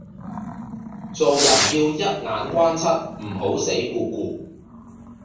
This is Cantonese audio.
做人要一眼關七唔好死咕咕